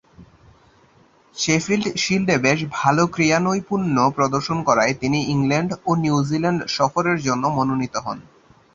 Sheffield শিল্ডে বেশ ভাল ক্রীড়ানৈপুণ্য প্রদর্শন করায় তিনি ইংল্যান্ড ও নিউজিল্যান্ড সফরের জন্য মনোনীত হন।